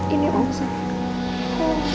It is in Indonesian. ini omah sayang